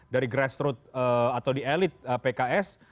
dari grassroot atau di elit pks